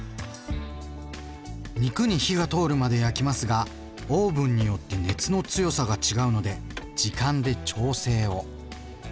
肉に火が通るまで焼きますがオーブンによって熱の強さが違うので時間で調整を。